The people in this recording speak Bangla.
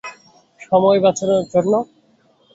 সময় বাঁচানোর জন্য?